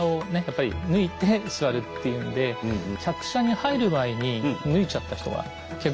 やっぱり脱いで座るっていうんで客車に入る前に脱いじゃった人が結構いて。